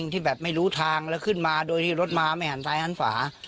ที่แบบไม่รู้ทางแล้วขึ้นมาโดยที่รถมาไม่หันซ้ายหันขวา